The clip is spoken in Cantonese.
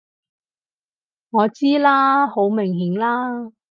我知啦！好明顯啦！